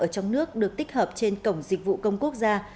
ở trong nước được tích hợp trên cổng dịch vụ công quốc gia